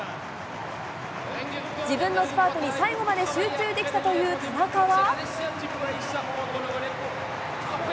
自分のスパートに最後まで集中できたという田中は。